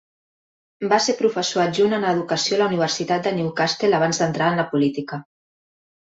Va ser professor adjunt en Educació a la Universitat de Newcastle abans d'entrar en la política.